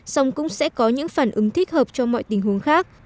sẽ có những phản ứng thích hợp cho mọi tình huống khác